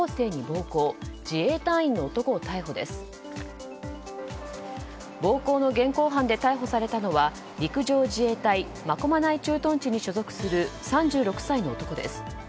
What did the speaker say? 暴行の現行犯で逮捕されたのは陸上自衛隊真駒内駐屯地に所属する３６歳の男です。